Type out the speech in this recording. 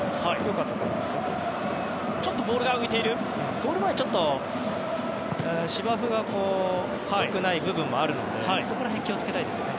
ゴール前、ちょっと芝生が良くない部分もあるのでそこら辺は気を付けたいですね。